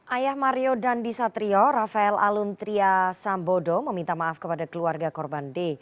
ayah mario dandi satrio rafael aluntria sambodo meminta maaf kepada keluarga korban d